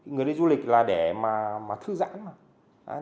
người đi du lịch là để mà thư giãn